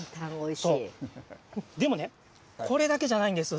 でもね、これだけじゃないんですよ。